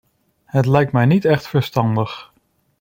Het lijkt mij niet echt verstandig.